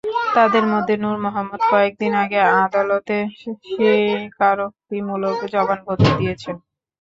তাঁদের মধ্যে নূর মোহাম্মদ কয়েক দিন আগে আদালতে স্বীকারোক্তিমূলক জবানবন্দি দিয়েছেন।